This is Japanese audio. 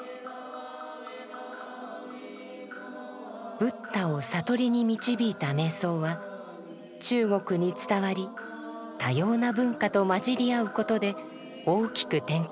ブッダを悟りに導いた瞑想は中国に伝わり多様な文化と混じり合うことで大きく展開します。